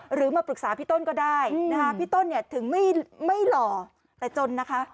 หรือมาปรึกษาพี่ต้นก็ได้นะคะพี่ต้นเนี่ยถึงไม่หล่อแต่จนนะคะ